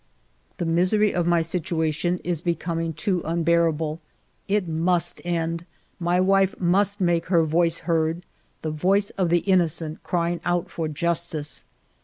The misery of my situation is becoming too unbearable. It must end ! My wife must make her voice heard, — the voice of the innocent crying out for justice.